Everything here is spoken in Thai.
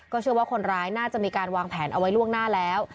เชื่อว่าคนร้ายน่าจะมีการวางแผนเอาไว้ล่วงหน้าแล้ว